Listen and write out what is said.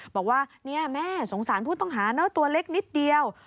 บอกว่าเนี่ยแม่สงสารผู้ต้องหาเนอะตัวเล็กนิดเดียว